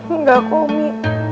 enggak kok umi